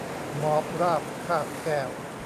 หมอบราบคาบแก้ว